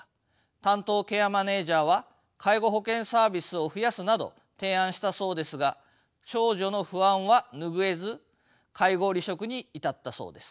担当ケアマネージャーは介護保険サービスを増やすなど提案したそうですが長女の不安は拭えず介護離職に至ったそうです。